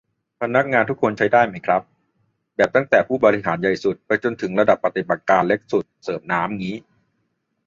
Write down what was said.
พนักงานทุกคนใช้ได้ไหมครับ แบบตั้งแต่ผู้บริหารใหญ่สุด ไปจนถึงระดับปฏิบัติการเล็กสุด เสิร์ฟน้ำงี้